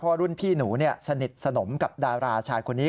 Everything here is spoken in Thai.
เพราะรุ่นพี่หนูสนิทสนมกับดาราชายคนนี้